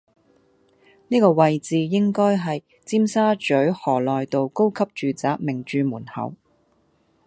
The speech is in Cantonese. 呢個位置應該係尖沙咀河內道￼高級住宅名鑄門口